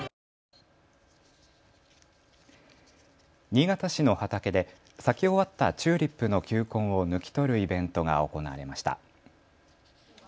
新潟市の畑で咲き終わったチューリップの球根を抜き取るイベントが行われました。